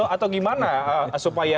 atau gimana supaya